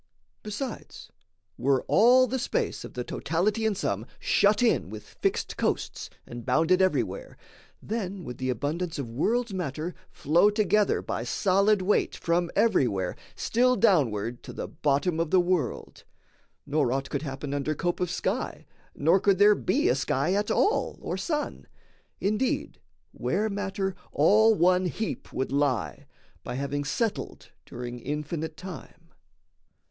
Besides, were all the space Of the totality and sum shut in With fixed coasts, and bounded everywhere, Then would the abundance of world's matter flow Together by solid weight from everywhere Still downward to the bottom of the world, Nor aught could happen under cope of sky, Nor could there be a sky at all or sun Indeed, where matter all one heap would lie, By having settled during infinite time.